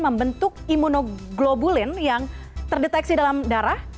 membentuk imunoglobulin yang terdeteksi dalam darah